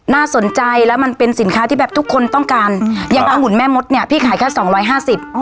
น่าสนใจแล้วมันเป็นสินค้าที่แบบทุกคนต้องการยังอังุ่นแม่มดเนี่ยพี่ขายแค่สองร้อยห้าสิบ